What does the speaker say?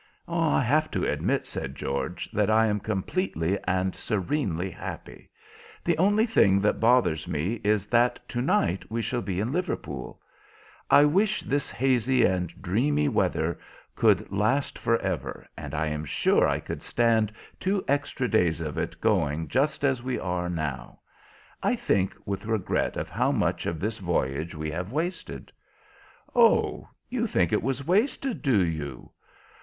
"I have to admit," said George, "that I am completely and serenely happy. The only thing that bothers me is that to night we shall be in Liverpool. I wish this hazy and dreamy weather could last for ever, and I am sure I could stand two extra days of it going just as we are now. I think with regret of how much of this voyage we have wasted." "Oh, you think it was wasted, do you?"